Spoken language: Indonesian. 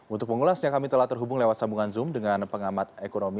untuk pengulasnya kami telah terhubung lewat sambungan zoom dengan pengamat ekonomi